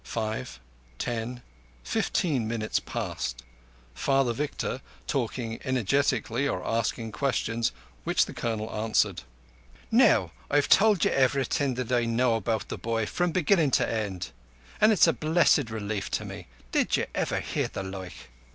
Five—ten—fifteen minutes passed, Father Victor talking energetically or asking questions which the Colonel answered. "Now I've told you everything that I know about the boy from beginnin to end; and it's a blessed relief to me. Did ye ever hear the like?"